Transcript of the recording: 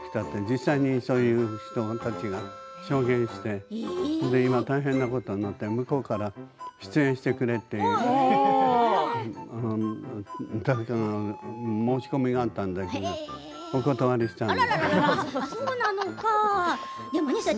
実際にそういう人たちが証言して今大変なことになって向こうから、出演してくれって申し込みがあったんだけどお断りしたの。